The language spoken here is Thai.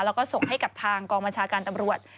แล้วก็ส่งให้กับทางกองบัญชาการตำรวจ